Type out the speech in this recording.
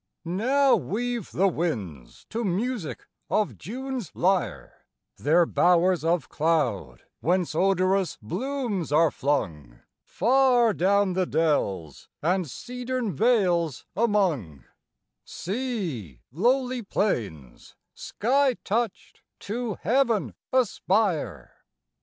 Now weave the winds to music of June's lyre Their bowers of cloud whence odorous blooms are flung Far down the dells and cedarn vales among, See, lowly plains, sky touched, to heaven aspire!